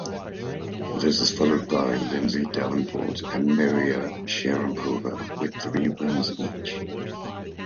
This is followed by Lindsay Davenport and Maria Sharapova with three wins each.